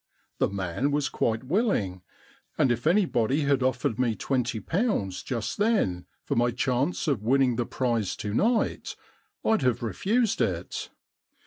The man was quite willing, and if anybody had offered me twenty pounds just then for my chance of winning the prize to night rd have refused it.